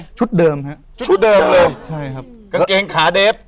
ชุดอะไรชุดเดิมค่ะชุดเดิมเลยตัวตัวช่องนี้ขาเต้บ